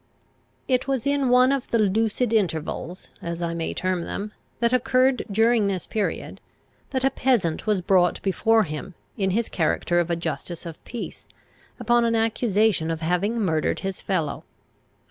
It was in one of the lucid intervals, as I may term them, that occurred during this period, that a peasant was brought before him, in his character of a justice of peace, upon an accusation of having murdered his fellow.